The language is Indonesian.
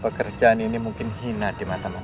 pekerjaan ini mungkin hijau di mata manusia